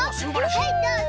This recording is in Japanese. はいどうぞ。